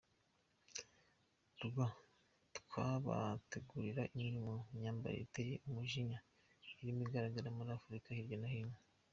rw twabateguriye imwe mu myambarire iteye umujinya irimo igaragara muri Afurika hirya no hino.